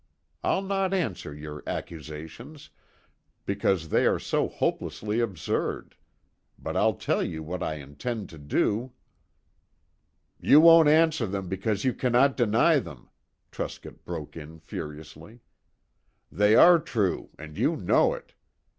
I'll not answer your accusations, because they are so hopelessly absurd; but I'll tell you what I intend to do." "You won't answer them because you cannot deny them!" Truscott broke in furiously. "They are true, and you know it.